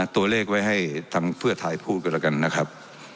ตัวเลขไว้ให้ทางเพื่อไทยพูดกันแล้วกันนะครับ